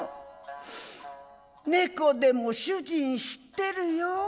猫でも主人知ってるよ。